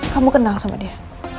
kamu kenal sama dia